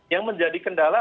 yang menjadi kendala